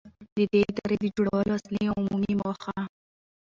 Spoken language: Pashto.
، د دې ادارې د جوړولو اصلي او عمومي موخه.